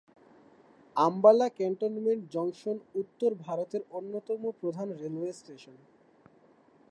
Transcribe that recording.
Ambala cantonment junction উত্তর ভারতের অন্যতম প্রধান রেলওয়ে স্টেশন।